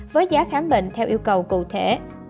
với giá khám bệnh theo yêu cầu cụ thể